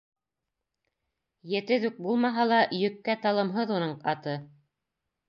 Етеҙ үк булмаһа ла, йөккә талымһыҙ уның аты.